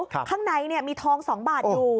ข้างในมีทอง๒บาทอยู่